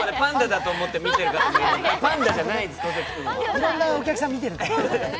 いろんなお客さん見てるからね。